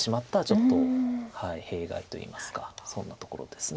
ちょっと弊害といいますかそんなところです。